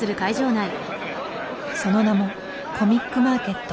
その名もコミックマーケット。